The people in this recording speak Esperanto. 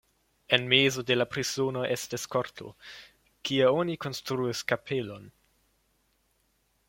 En mezo de la prizono estis korto, kie oni konstruis kapelon.